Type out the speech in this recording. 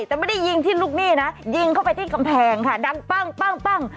แต่ไม่ได้ยิงที่ลูกหนี้นะยิงเข้าไปที่กำแพงค่ะดังปั้งปั้ง